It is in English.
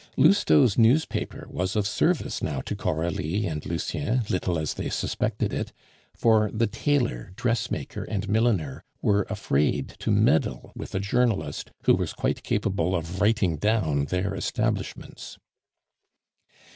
Lousteau's newspaper was of service now to Coralie and Lucien, little as they suspected it; for the tailor, dressmaker, and milliner were afraid to meddle with a journalist who was quite capable of writing down their establishments.